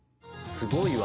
すごいな。